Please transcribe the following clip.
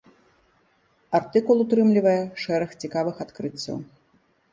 Артыкул утрымлівае шэраг цікавых адкрыццяў.